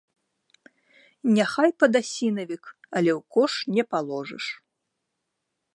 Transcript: Няхай падасінавік, але ў кош не паложыш.